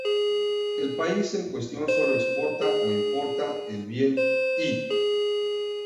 El país en cuestión solo exporta o importa el bien "i".